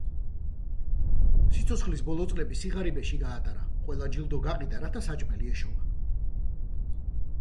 სიცოცხლის ბოლო წლები სიღარიბეში გაატარა, ყველა ჯილდო გაყიდა რათა საჭმელი ეშოვა.